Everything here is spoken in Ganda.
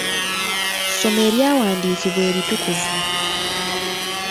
Soma ebyawandiikibwa ebitukuvu